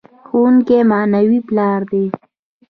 ښوونکی معنوي پلار دی.